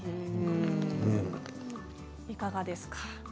いかがですか？